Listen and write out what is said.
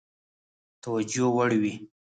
توجیه وړ وي.